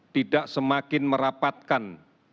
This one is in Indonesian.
tidak semakin merapatkan